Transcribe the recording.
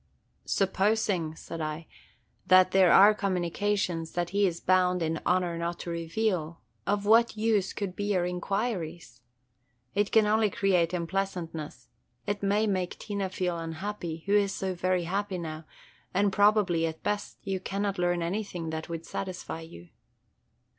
"Supposing," said I, "that there are communications that he is bound in honor not to reveal, of what use could be your inquiries? It can only create unpleasantness; it may make Tina feel unhappy, who is so very happy now, and probably, at best, you cannot learn anything that would satisfy you."